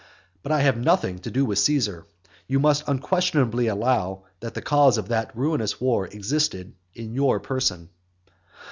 But I have nothing to do with Caesar. You must unquestionably allow, that the cause of that ruinous war existed in your person.